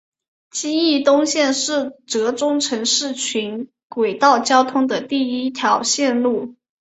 金义东线是浙中城市群轨道交通的第一条线路。